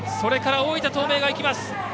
大分東明が行きます。